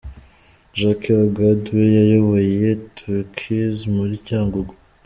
Jacques Hogard we yayoboye Turquoise muri Cyangugu.